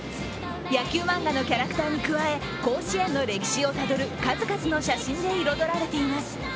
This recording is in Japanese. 野球漫画のキャラクターに加え、甲子園の歴史をたどる数々の写真で彩られています。